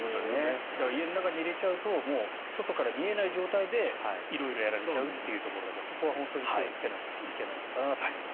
家の中に入れちゃうともう外から見えない状態で色々やられちゃうということなのでそこは本当に気をつけないといけないのかなと思います。